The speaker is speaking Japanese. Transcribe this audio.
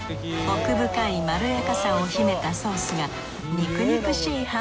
奥深いまろやかさを秘めたソースが肉肉しい